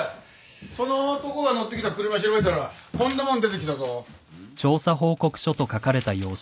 その男が乗ってきた車調べたらこんなもん出てきたぞ。